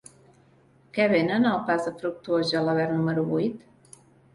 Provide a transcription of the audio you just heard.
Què venen al pas de Fructuós Gelabert número vuit?